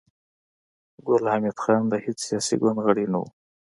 ګل حمید خان د هېڅ سياسي ګوند غړی نه و